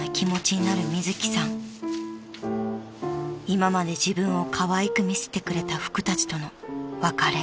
［今まで自分をかわいく見せてくれた服たちとの別れ］